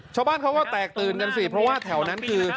ชาวบ้านเขาก็แตกตื่นกันสิเพราะว่าแถวนั้นคือ